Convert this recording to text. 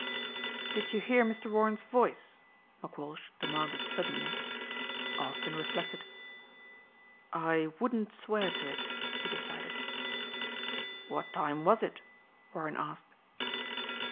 "Did you hear Mr. Warren's voice?" McWalsh demanded suddenly. Austin reflected. "I wouldn't swear to it," he decided. "What time was it?" Warren asked.